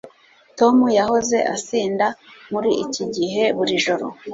tom yahoze asinda muri iki gihe buri joro